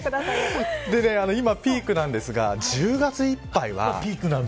今ピークなんですが１０月いっぱいは。